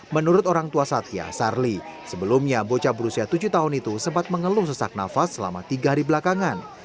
menurut orang tua satya sarli sebelumnya bocah berusia tujuh tahun itu sempat mengeluh sesak nafas selama tiga hari belakangan